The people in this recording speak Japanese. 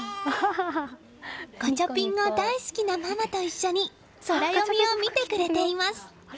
ガチャピンが大好きなママと一緒にソラよみを見てくれています。